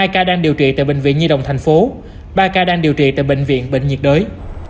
hai ca đang điều trị tại bệnh viện nhi đồng tp ba ca đang điều trị tại bệnh viện bệnh nhiệt đới